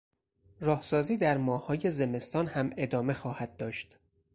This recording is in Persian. راهسازی در ماههای زمستان هم ادامه خواهد داشت.